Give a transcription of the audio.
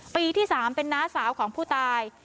ปีที่๓เป็นน้าสาวของผู้ตาย